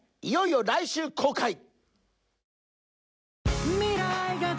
いよいよ来週公開！